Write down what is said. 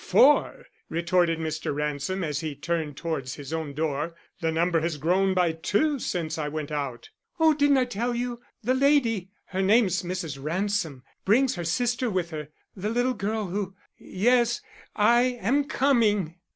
"Four!" retorted Mr. Ransom as he turned towards his own door. "The number has grown by two since I went out." "Oh, I didn't tell you. The lady her name's Mrs. Ransom brings her sister with her. The little girl who yes, I am coming."